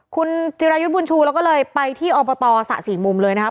คุณจิรายุทธ์บุญชูแล้วก็เลยไปที่อบตสะสี่มุมเลยนะครับ